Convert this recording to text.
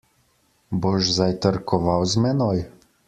Boš zajtrkoval z menoj?